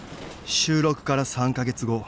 収録から３か月後。